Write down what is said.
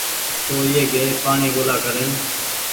تو ايئي گئي پآڻيٚ ڳولآ ڪرين